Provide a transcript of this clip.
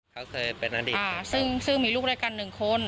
เขาเคยเป็นอดีตซึ่งมีลูกด้วยกันหนึ่งคน